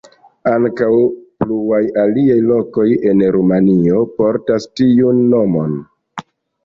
Ankaŭ pluaj aliaj lokoj en Rumanio portas tiun nomon.